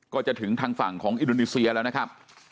ก็จะถึงทางฝั่งของอินโดนีเซียแล้วนะครับ